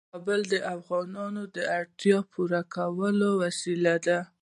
کابل د افغانانو د اړتیاوو د پوره کولو وسیله ده.